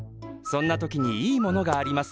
そんな時にいいものがあります。